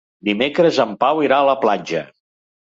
Dimecres en Pau irà a la platja.